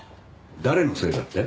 誰のせいだって？